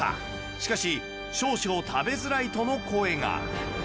しかし「少々食べづらい」との声が